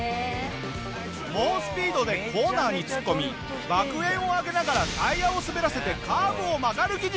猛スピードでコーナーに突っ込み爆煙を上げながらタイヤを滑らせてカーブを曲がる技術！